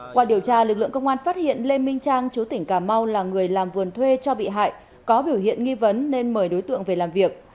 qua điều tra lực lượng công an phát hiện lê minh trang chú tỉnh cà mau là người làm vườn thuê cho bị hại có biểu hiện nghi vấn nên mời đối tượng về làm việc